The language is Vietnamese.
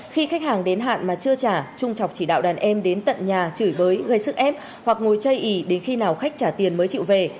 khi khách hàng đến hạn mà chưa trả trung chọc chỉ đạo đàn em đến tận nhà chửi bới gây sức ép hoặc ngồi chây ý đến khi nào khách trả tiền mới chịu về